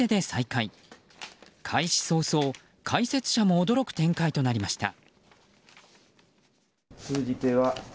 開始早々解説者も驚く展開となりました。